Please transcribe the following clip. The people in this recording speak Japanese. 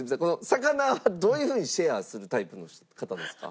魚はどういう風にシェアするタイプの方ですか？